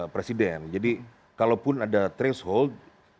presiden jadi kalaupun ada threshold